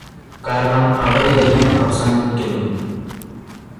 കാരണം അവരിതെല്ലാം അവസാനിപ്പിക്കുന്നു